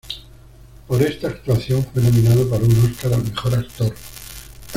Por esta actuación fue nominado para un Óscar al mejor Actor.